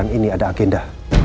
aldebaran ini ada agenda